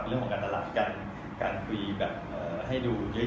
เรื่องของการตลาดการคุยแบบให้ดูเยอะ